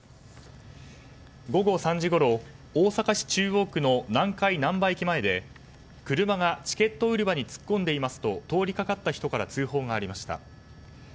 午後３時ごろ、大阪市中央区の南海なんば駅前で車がチケット売り場に突っ込んでいますと通りかかった人から通報がありました。